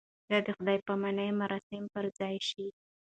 د خدای پامانۍ مراسم پر ځای شي.